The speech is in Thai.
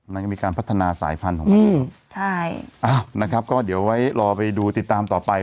มันก็มีการพัฒนาสายพันธุ์ของมันใช่อ้าวนะครับก็เดี๋ยวไว้รอไปดูติดตามต่อไป